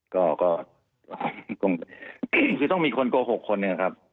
ก็คือต้องมีคนโกหกคนนะครับ